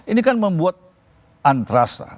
ini kan membuat antrasa